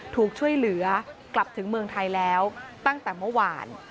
ถูกช่วยเหลือกลับถึงเมืองไทยแล้วตั้งแต่เมื่อวาน